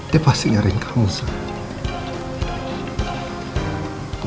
dia pasti nyariin kamu sam